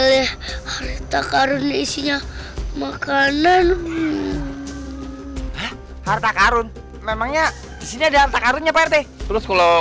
located absoluteumuznya makanan harta karun memangnya di sini ada universeafar terus kalau